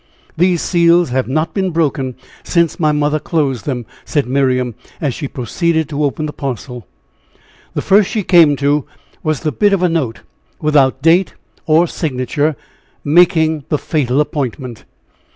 "These seals have not been broken since my mother closed them," said Miriam, as she proceeded to open the parcel. The first she came to was the bit of a note, without date or signature, making the fatal appointment.